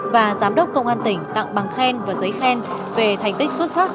và giám đốc công an tỉnh tặng bằng khen và giấy khen về thành tích xuất sắc